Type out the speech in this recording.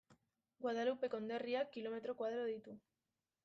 Guadalupe konderriak kilometro koadro ditu.